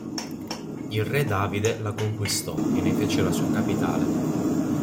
Il re Davide la conquistò e ne fece la sua capitale.